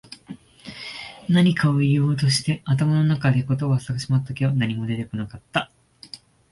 何かを言おうとして、頭の中で言葉を探し回ったけど、何も出てこなかった。